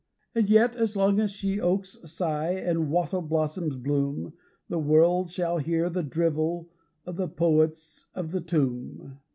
And yet, as long as sheoaks sigh and wattle blossoms bloom, The world shall hear the drivel of the poets of the tomb.